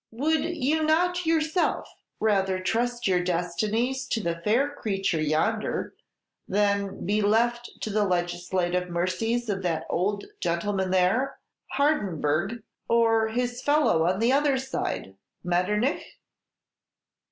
Would you not yourself rather trust your destinies to the fair creature yonder than be left to the legislative mercies of that old gentleman there, Hardenberg, or his fellow on the other side, Metternich?"